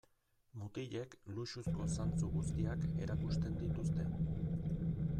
Mutilek luxuzko zantzu guztiak erakusten dituzte.